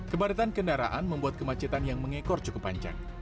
kepadatan kendaraan membuat kemacetan yang mengekor cukup panjang